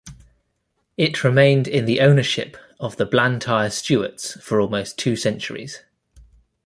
It remained in the ownership of the Blantyre-Stewarts for almost two centuries.